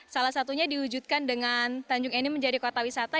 salah satunya diwujudkan dengan tanjung ini menjadi kota wisata